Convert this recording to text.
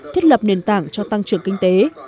thiết lập nền tảng cho tăng trưởng kinh tế